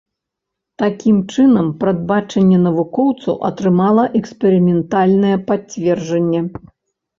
Такім чынам, прадбачанне навукоўцаў атрымала эксперыментальнае пацверджанне.